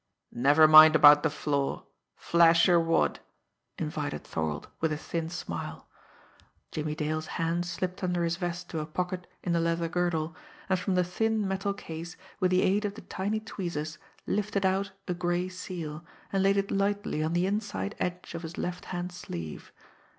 "Never mind about the flaw! Flash your wad!" invited Thorold, with a thin smile. Jimmie Dale's hand slipped under his vest to a pocket in the leather girdle, and from the thin metal case, with the aid of the tiny tweezers, lifted out a gray seal, and laid it lightly on the inside edge of his left hand sleeve.